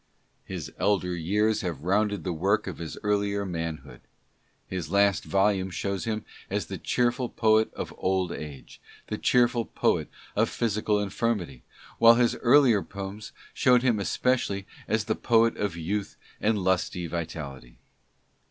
His elder years have rounded the work of his earlier man hood. His last volume shows him as the cheerful poet of old age, the cheerful poet of physical infirmity; while his earlier poems showed him especially as the poet of youth and lusty vitality.